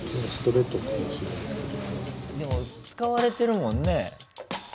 でも使われてるもんね。